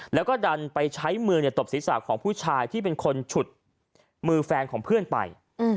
แล้วก็ดันไปใช้มือตบศีรษะของผู้ชายที่เป็นคนฉุดมือแฟนของเพื่อนไป